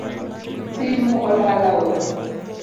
Simu olal aora